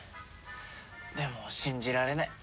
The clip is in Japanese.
でも信じられない。